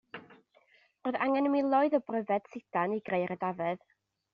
Roedd angen miloedd o bryfed sidan i greu'r edafedd.